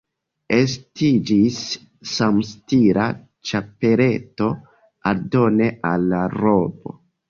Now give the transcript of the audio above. Estiĝis samstila ĉapeleto aldone al la robo.